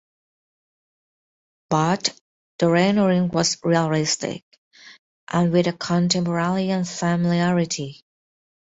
But the rendering was realistic, and with a contemporary unfamiliarity.